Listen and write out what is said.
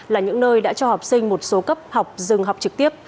là những nơi đã cho học sinh một số cấp học dừng học trực tiếp